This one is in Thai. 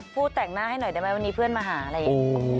แต่งหน้าให้หน่อยได้ไหมวันนี้เพื่อนมาหาอะไรอย่างนี้